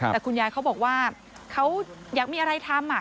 แต่คุณยายเขาบอกว่าเขาอยากมีอะไรทำ